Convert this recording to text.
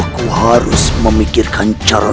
kamar nyi iroh